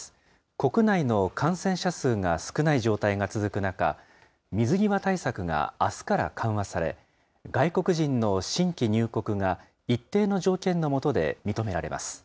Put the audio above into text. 国内の感染者数が少ない状態が続く中、水際対策があすから緩和され、外国人の新規入国が一定の条件の下で認められます。